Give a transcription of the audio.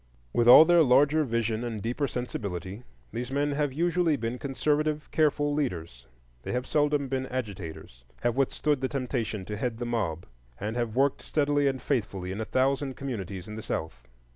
With all their larger vision and deeper sensibility, these men have usually been conservative, careful leaders. They have seldom been agitators, have withstood the temptation to head the mob, and have worked steadily and faithfully in a thousand communities in the South.